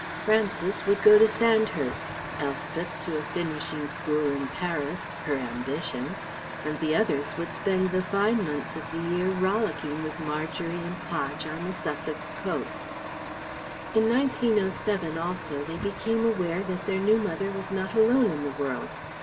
Francis would go to Sandhurst, Elspeth to a finishing school in Paris (her ambition), and the others would spend the fine months of the year rollicking with Margery and Podge on the Sussex coast. In 1907, also, they became aware that their new mother was not alone in the world.